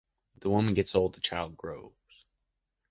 The woman gets old, the child grows.